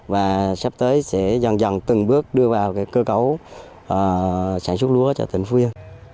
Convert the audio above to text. và sắp tới sẽ dần dần từng bước đưa vào cơ cấu sản xuất lúa cho tỉnh phú yên